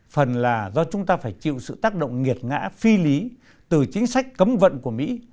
phần là do chúng ta phải chịu sự tác động nghiệt ngã phi lý từ chính sách cấm vận của mỹ